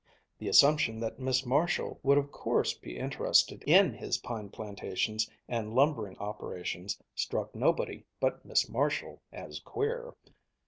The assumption that Miss Marshall would of course be interested in his pine plantations and lumbering operations struck nobody but Miss Marshall as queer.